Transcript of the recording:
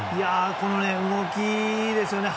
この動きですよね。